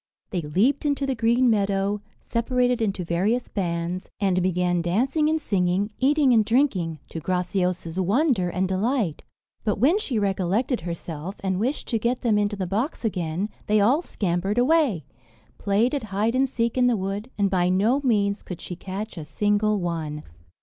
They leaped into the green meadow, separated into various bands, and began dancing and singing, eating and drinking, to Graciosa's wonder and delight. But when she recollected herself, and wished to get them into the box again, they all scampered away, played at hide and seek in the wood, and by no means could she catch a single one.